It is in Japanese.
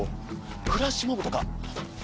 フラッシュモブとか！